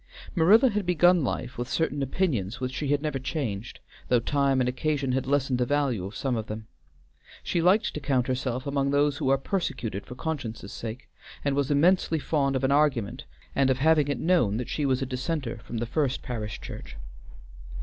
Marilla had begun life with certain opinions which she had never changed, though time and occasion had lessened the value of some of them. She liked to count herself among those who are persecuted for conscience's sake, and was immensely fond of an argument and of having it known that she was a dissenter from the First Parish Church.